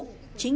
chính điều này